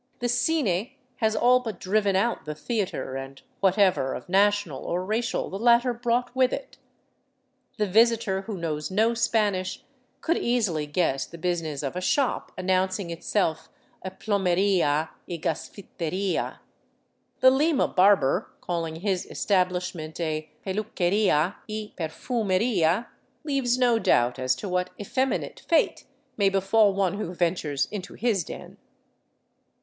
The " Cine " has all but driven out the theater and whatever of national or racial the latter brought with it. The visitor who knows no Spanish could easily guess the business of a shop announcing itself a " Plomeria y 326 ROUND ABOUT THE PERUVIAN CAPITAL Gasfiteria." The Lima barber, calling his establishment a " Peluqueria y Perfumeria," leaves no doubt as to what effeminate fate may befall one who ventures into his den.